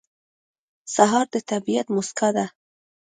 سهار د طبیعت موسکا ده.